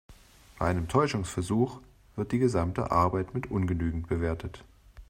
Bei einem Täuschungsversuch wird die gesamte Arbeit mit ungenügend bewertet.